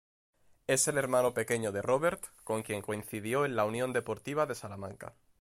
Es el hermano pequeño de Robert, con quien coincidió en la Unión Deportiva Salamanca.